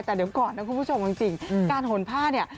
แต่เดี๋ยวก่อนนะคุณผู้ชมจริงการหนผ้าเนี่ย